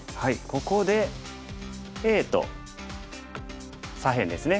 ここでＡと左辺ですね。